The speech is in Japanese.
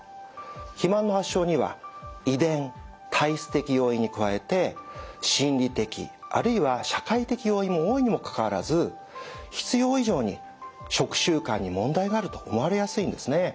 肥満の発症には遺伝体質的要因に加えて心理的あるいは社会的要因も多いにもかかわらず必要以上に食習慣に問題があると思われやすいんですね。